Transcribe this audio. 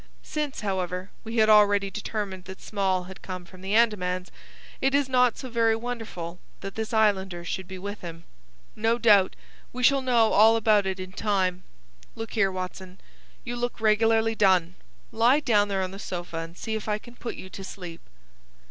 Since, however, we had already determined that Small had come from the Andamans, it is not so very wonderful that this islander should be with him. No doubt we shall know all about it in time. Look here, Watson; you look regularly done. Lie down there on the sofa, and see if I can put you to sleep."